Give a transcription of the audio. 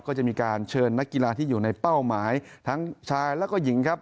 ก็จะมีการเชิญนักกีฬาที่อยู่ในเป้าหมายทั้งชายแล้วก็หญิงครับ